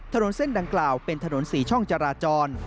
ถนนเส้นดังกล่าวเป็นถนน๔ช่องจราจร